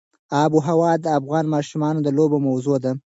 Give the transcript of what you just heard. آب وهوا د افغان ماشومانو د لوبو موضوع ده.